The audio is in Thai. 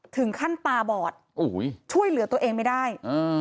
ถึงขั้นปลาบอดโอ้โหช่วยเหลือตัวเองไม่ได้อืม